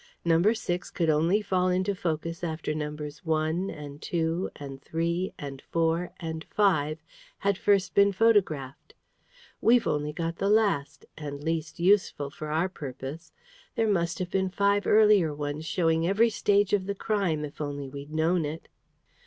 Number six could only fall into focus after numbers one, and two, and three, and four, and five, had first been photographed. We've only got the last and least useful for our purpose. There must have been five earlier ones, showing every stage of the crime, if only we'd known it."